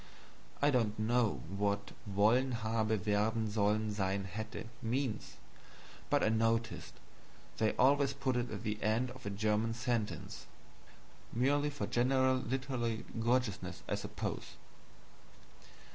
(I don't know what wollen haben werden sollen sein hätte means, but I notice they always put it at the end of a German sentence merely for general literary gorgeousness, I suppose.)